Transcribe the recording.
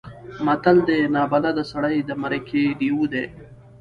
متل دی: نابلده سړی د مرکې لېوه دی.